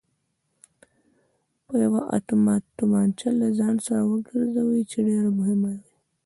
چې یوه اتومات تومانچه له ځان سر وګرځوي چې ډېره مهمه وه.